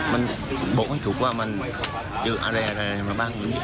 มันบอกให้ถูกว่ามันเจออะไรอะไรอะไรมาบ้าง